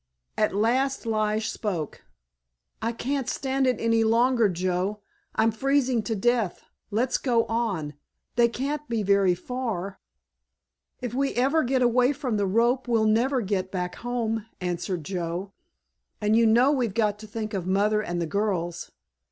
At last Lige spoke. "I can't stand it any longer, Joe, I'm freezing to death. Let's go on. They can't be very far——" "If we ever get away from the rope we'll never get back home," answered Joe. "And you know we've got to think of Mother and the girls.